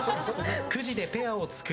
くじでペアを作り